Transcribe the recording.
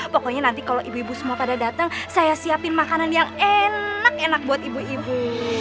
pokoknya nanti kalau ibu ibu semua pada datang saya siapin makanan yang enak enak buat ibu ibu